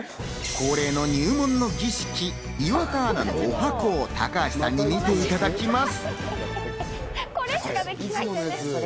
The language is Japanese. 恒例の入門の儀式、岩田アナのおはこを高橋さんに見ていただきます。